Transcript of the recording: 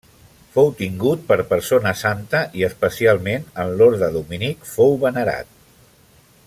Fou tingut per persona santa i, especialment en l'Orde Dominic, fou venerat.